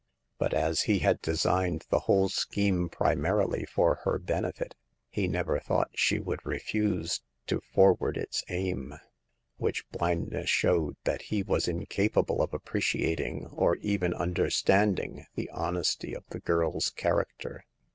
But as he had designed the whole scheme primarily for her benefit, he never thought she would refuse to forward its aim. Which blindness showed that he was incapable of appreciating or even understanding the honesty of the girl's character.